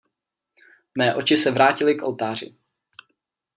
Mé oči se vrátily k oltáři.